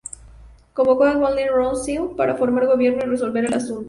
Convocó a Waldeck-Rousseau para formar gobierno y resolver el asunto.